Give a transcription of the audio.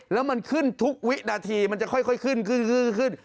แล้วมันขึ้นทุกวินาทีมันจะค่อยขึ้นขึ้น